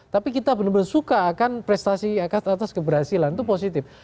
tapi kita benar benar suka kan prestasi atas keberhasilan itu positif